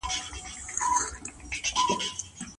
ډير لږ مور او پلار به د ښه نيت سره حکيمان وي.